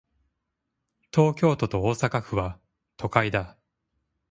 東京都と大阪府は、都会だ。